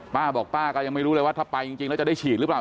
ป้าบอกป้าก็ยังไม่รู้เลยว่าถ้าไปจริงแล้วจะได้ฉีดหรือเปล่า